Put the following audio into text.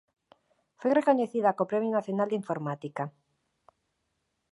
Foi recoñecida co Premio Nacional de Informática.